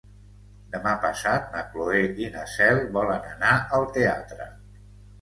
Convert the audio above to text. Demà passat na Cloè i na Cel volen anar al teatre.